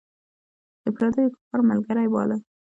د پردیو کفارو ملګری باله.